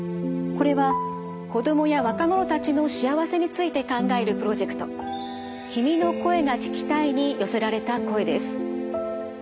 これは子供や若者たちの幸せについて考えるプロジェクト「君の声が聴きたい」に寄せられた声です。